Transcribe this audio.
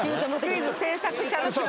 クイズ制作者の気持ち。